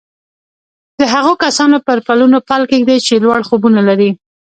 د هغو کسانو پر پلونو پل کېږدئ چې لوړ خوبونه لري